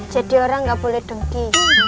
jadi orang gak boleh dengki